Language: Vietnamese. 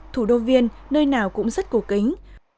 thủ đô viên nơi nào cũng rất cổ kính